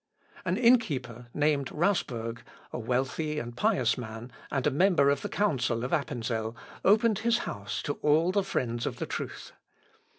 An innkeeper, named Rausberg, a wealthy and pious man, and a member of the council of Appenzel, opened his house to all the friends of truth.